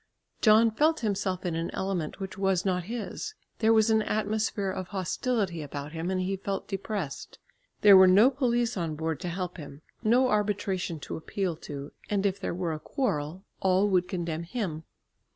John felt himself in an element which was not his. There was an atmosphere of hostility about him, and he felt depressed. There were no police on board to help him, no arbitration to appeal to, and if there were a quarrel, all would condemn him.